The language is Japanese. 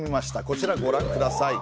こちらご覧ください。